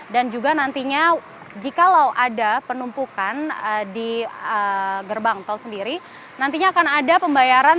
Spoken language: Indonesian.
dan juga nantinya jikalau ada penumpukan di gerbang tol sendiri nantinya akan ada pembayaran